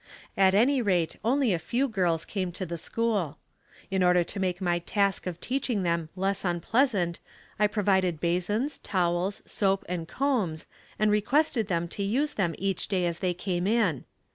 At any rate only a few girls came to school. In order to make my task of teaching them less unpleasant I provided basins, towels, soap and combs and requested them to use them each day as they came in.